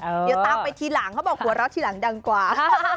เดี๋ยวตามไปทีหลังเขาบอกหัวเราะทีหลังดังกว่า